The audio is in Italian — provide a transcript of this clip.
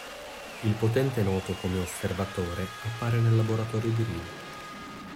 Il potente noto come "Osservatore" appare nel laboratorio di Reed.